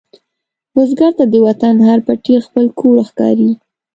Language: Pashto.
بزګر ته د وطن هر پټی خپل کور ښکاري